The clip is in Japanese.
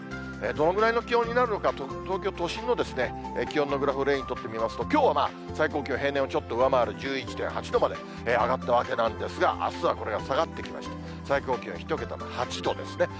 どのぐらいの気温になるのか、東京都心の気温のグラフを例に取って見ますと、きょうは最高気温、平年をちょっと上回る１１．８度まで上がったわけなんですが、あすはこれが下がってきまして、最高気温１桁の８度ですね。